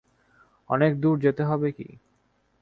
অনেক দূর যেতে হবে কি?